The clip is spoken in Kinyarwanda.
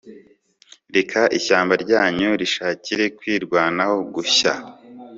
reka ishyamba ryanyu rishakire kwirwanaho gushya